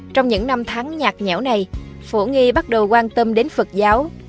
trong những năm tháng nhạt nhẽo này phổ nghi bắt đầu quan tâm đến phật giáo